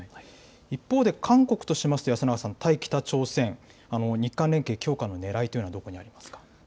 一方で、韓国としますと安永さん、対北朝鮮、日韓連携強化のねらいというのはどこにありますか。